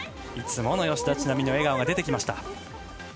いつもの吉田知那美の笑顔が出てきました。